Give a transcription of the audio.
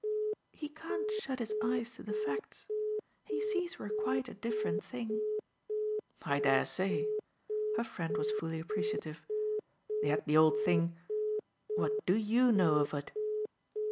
"He can't shut his eyes to the facts. He sees we're quite a different thing." "I dare say" her friend was fully appreciative. "Yet the old thing what do YOU know of it?"